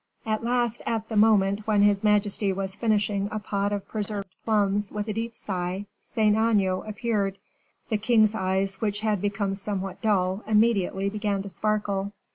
At last, at the moment when his majesty was finishing a pot of preserved plums with a deep sigh, Saint Aignan appeared. The king's eyes, which had become somewhat dull, immediately began to sparkle.